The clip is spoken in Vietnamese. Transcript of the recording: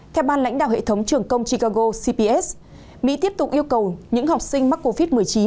theo ban lãnh đạo hệ thống trường công chicago cps mỹ tiếp tục yêu cầu những học sinh mắc covid một mươi chín